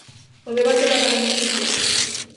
O debate dá para moitas cuestións.